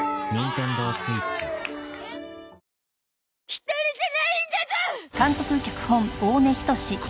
一人じゃないんだゾ！